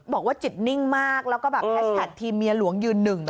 บอกว่าจิตนิ่งมากแล้วก็แบบแฮชแท็กทีมเมียหลวงยืนหนึ่ง